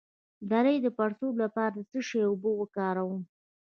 د لۍ د پړسوب لپاره د څه شي اوبه وکاروم؟